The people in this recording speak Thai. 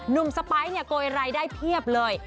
นุ่มสไปร์สเนี่ยโกยไรได้เพียบเลย